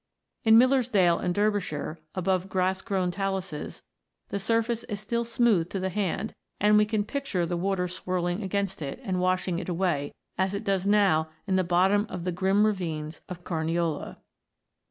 3). In Millersdale in Derbyshire, above grass grown taluses, the surface is still smooth to the hand, and we can picture the water swirling against it, and washing it away, as it does now in the bottom of the grim ravines of Caruiola.